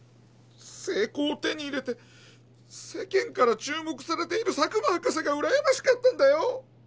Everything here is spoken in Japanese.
成功を手に入れて世間から注目されている佐久間博士がうらやましかったんだよ。